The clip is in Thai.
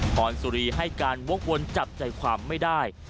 พรสุรีให้การวกวนจับใจความไม่ได้